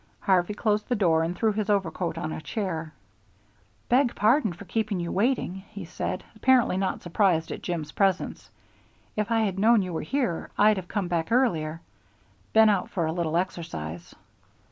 Harvey closed the door and threw his overcoat on a chair. "Beg pardon for keeping you waiting," he said, apparently not surprised at Jim's presence. "If I had known you were here, I'd have come back earlier. Been out for a little exercise."